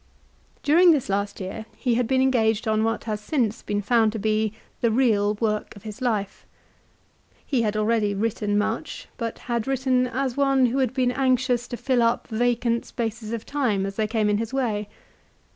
During this last year he had been engaged on what has since been found to be the real work of his life. He had already written much, but had written as one who had been anxious to fill up vacant spaces of time as they came in his way.